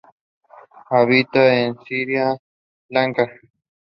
This team only lasted for one season.